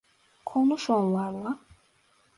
Konuş onlarla.